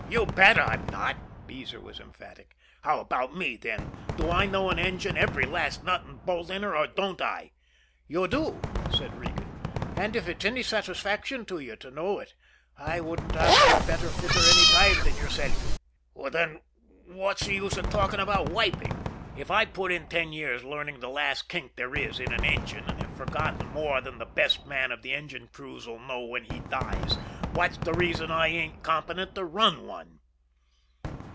"You bet, I'm not!" Beezer was emphatic. "How about me, then? Do I know an engine, every last nut and bolt in her, or don't I?" "You do," said Regan. "And if it's any satisfaction to you to know it, I wouldn't ask for a better fitter any time than yourself." "Then, what's the use of talking about wiping? If I've put in ten years learning the last kink there is in an engine, and have forgotten more than the best man of the engine crews 'll know when he dies, what's the reason I ain't competent to run one?"